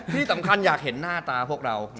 ที่สำคัญอยากเห็นหน้าตาพวกเรา